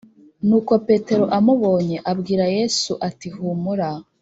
Nuko Petero amubonye abwira Yesu ati humura